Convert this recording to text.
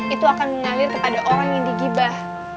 itu akan mengalir kepada orang yang digibah